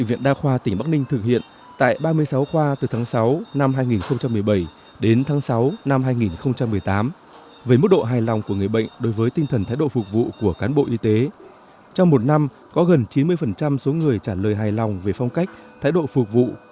với mức độ hài lòng của người bệnh đối với tinh thần thái độ phục vụ của cán bộ y tế trong một năm có gần chín mươi số người trả lời hài lòng về phong cách thái độ phục vụ